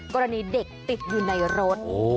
กรณีเด็กติดอยู่ในรถ